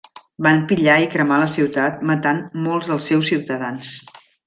Van pillar i cremar la ciutat, matant molts dels seus ciutadans.